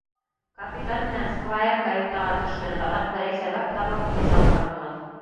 Капитан менән сквайр каютаға төшһөн, аҙаҡ берәй сәбәп табып мине саҡырырһығыҙ.